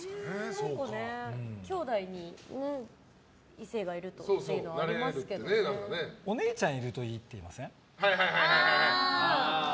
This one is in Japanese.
きょうだいに異性がいるというのはお姉ちゃんいるといいって言いません？